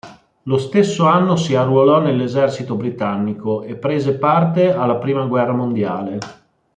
Lo stesso anno si arruolò nell'esercito britannico e prese parte alla Prima guerra mondiale.